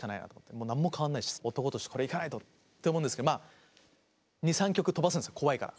もう何も変わらないし男としてこれは行かないとって思うんですけどまあ２３曲飛ばすんですよ怖いから。